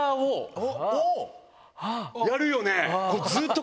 やるよね